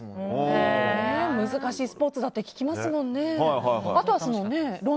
難しいスポーツだって聞きますもんね。